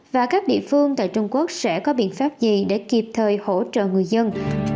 và các địa phương tại trung quốc sẽ có biện pháp gì để kịp thời hỗ trợ người dân